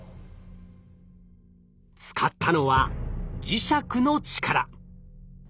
使ったのは磁石の力。